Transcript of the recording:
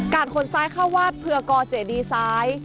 การคนซ้ายเข้าวัดเพื่อกอเจดีไซน์